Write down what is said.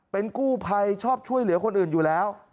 เป็นกู้ภัยชอบช่วยเหลือคนอื่นอยู่แล้ว